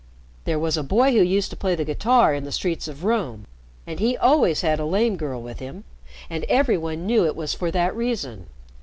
There was a boy who used to play the guitar in the streets of Rome, and he always had a lame girl with him, and every one knew it was for that reason.